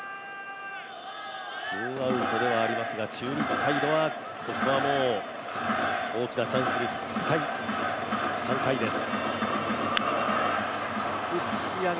ツーアウトではありますが中日サイドはここはもう大きなチャンスにしたい３回です。